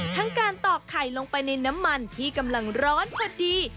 ทั้งการตอกไข่ลงไปในน้ำมันที่กำลังร้อนพอดี